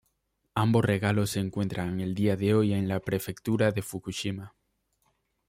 Ambos regalos se encuentran el día de hoy en la prefectura de Fukushima.